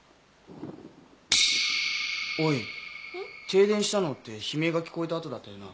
停電したのって悲鳴が聞こえた後だったよな？